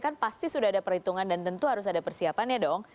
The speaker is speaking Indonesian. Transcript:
kan pasti sudah ada perhitungan dan tentu harus ada persiapannya dong